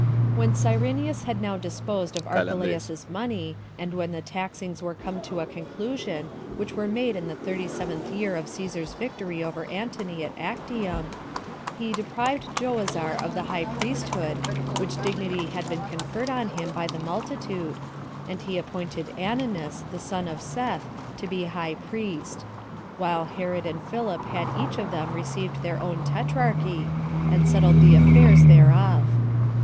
1. When Cyrenius had now disposed of Archelaus's money, and when the taxings were come to a conclusion, which were made in the thirty seventh year of Cæsar's victory over Antony at Actium, he deprived Joazar of the high priesthood, which dignity had been conferred on him by the multitude, and he appointed Ananus, the son of Seth, to be high priest; while Herod and Philip had each of them received their own tetrarchy, and settled the affairs thereof.